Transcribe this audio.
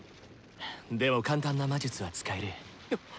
でも簡単な魔術は使える。